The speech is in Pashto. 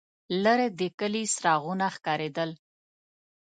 لرې د کلي څراغونه ښکارېدل.